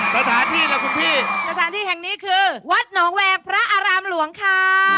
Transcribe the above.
สถานที่ล่ะคุณพี่สถานที่แห่งนี้คือวัดหนองแวงพระอารามหลวงค่ะ